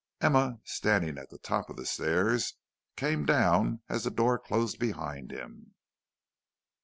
"Emma, standing at the top of the stairs, came down as the door closed behind him.